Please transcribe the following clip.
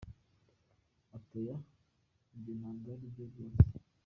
Ati , “Oya, ibyo ntabwo ari byo rwose.